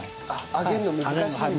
揚げるの難しいんだ。